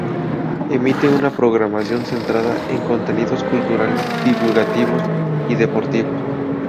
Emite una programación centrada en contenidos culturales, divulgativos y deportivos.